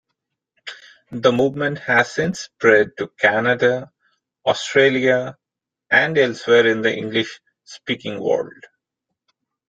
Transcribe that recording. The movement has since spread to Canada, Australia, and elsewhere in the English-speaking world.